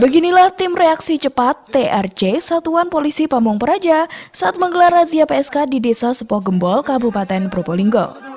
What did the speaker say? beginilah tim reaksi cepat trc satuan polisi pamung praja saat menggelar razia psk di desa sepoh gembol kabupaten probolinggo